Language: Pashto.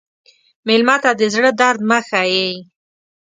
مېلمه ته د زړه درد مه ښیې.